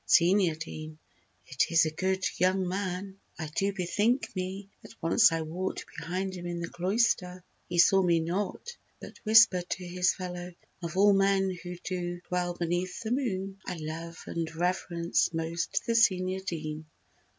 SENIOR DEAN: It is a good young man. I do bethink me That once I walked behind him in the cloister, He saw me not, but whispered to his fellow: "Of all men who do dwell beneath the moon I love and reverence most the senior Dean."